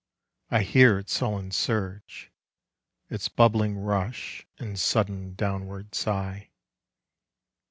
I hear its sullen surge, Its bubbling rush and sudden downward sigh....